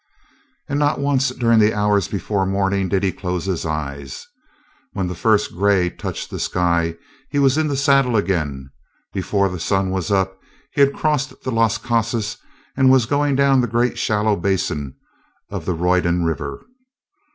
And not once during the hours before morning did he close his eyes. When the first gray touched the sky he was in the saddle again; before the sun was up he had crossed the Las Casas and was going down the great shallow basin of the Roydon River.